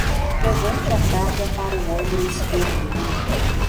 Levante a carga para o ombro esquerdo.